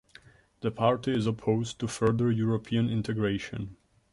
The party is opposed to further European integration.